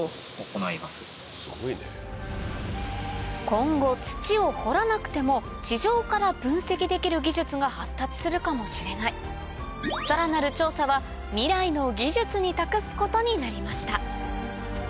今後土を掘らなくても地上から分析できる技術が発達するかもしれないさらなる調査は未来の技術に託すことになりました